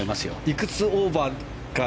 いくつオーバーか？